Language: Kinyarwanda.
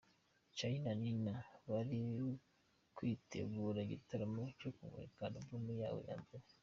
Charly na Nina bari kwitegura igitaramo cyo kumurika Album yabo ya mbere.